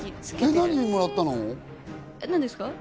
何もらったの？